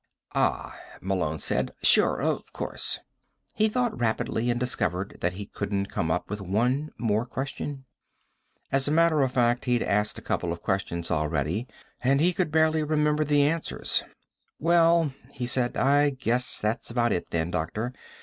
"Ah," Malone said. "Sure. Of course." He thought rapidly and discovered that he couldn't come up with one more question. As a matter of fact, he'd asked a couple of questions already, and he could barely remember the answers. "Well," he said, "I guess that's about it, then, doctor.